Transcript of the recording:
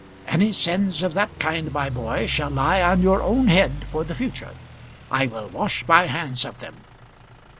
"Any sins of that kind, my boy, shall lie on your own head for the future. I will wash my hands of them."